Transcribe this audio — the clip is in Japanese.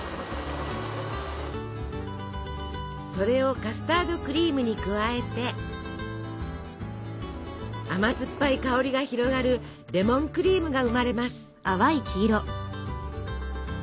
それをカスタードクリームに加えて甘酸っぱい香りが広がるレモンクリームが生まれます！